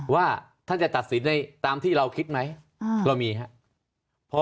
ว่าท่านจะตัดสินในตามที่เราคิดไหมเรามีครับ